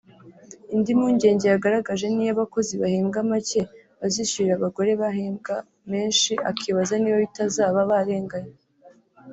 Indi mpungenge yagaragaje n’iy’abakozi bahembwa make bazishyurira abagore bahembwa menshi akibaza niba batazaba barenganye